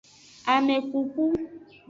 Amekuku.